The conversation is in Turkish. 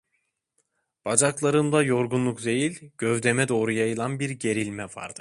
Bacaklarımda yorgunluk değil, gövdeme doğru yayılan bir gerilme vardı.